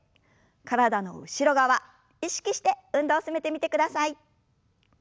体の後ろ側意識して運動を進めてみてください。